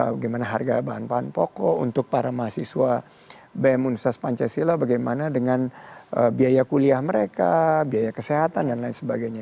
bagaimana harga bahan bahan pokok untuk para mahasiswa bm universitas pancasila bagaimana dengan biaya kuliah mereka biaya kesehatan dan lain sebagainya